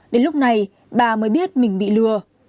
đến lúc này bà mới biết mình bị lừa